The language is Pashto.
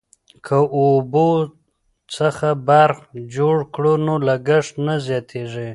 که اوبو څخه برق جوړ کړو نو لګښت نه زیاتیږي.